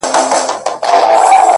له ما پـرته وبـــل چــــــاتــــــه;